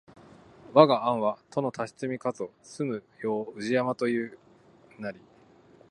わが庵は都のたつみしかぞ住む世を宇治山と人は言ふなり